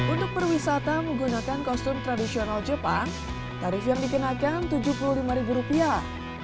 untuk perwisata menggunakan kostum tradisional jepang tarif yang dikenakan tujuh puluh lima ribu rupiah